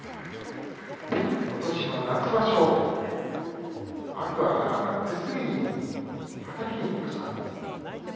ことしの夏場所天空海があたってすぐにはたきに行きました。